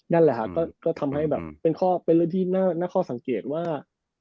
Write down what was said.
นั่นแหละฮะก็ทำให้แบบเป็นข้อเป็นเรื่องที่น่าข้อสังเกตว่า